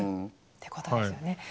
ってことですよね。